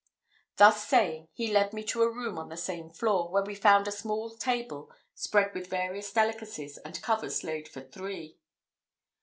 Thus saying, he led me to a room on the same floor, where we found a small table spread with various delicacies, and covers laid for three.